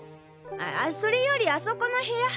それよりあそこの部屋